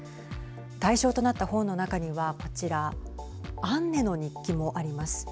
対象となった本の中には、こちらアンネの日記もあります。